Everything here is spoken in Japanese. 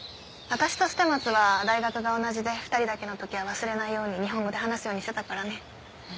私と捨松は大学が同じで２人だけの時は忘れないように日本語で話すようにしてたからね。